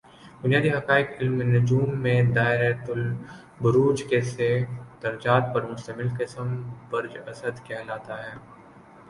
بنیادی حقائق علم نجوم میں دائرۃ البروج کے سے درجات پر مشمل قسم برج اسد کہلاتا ہے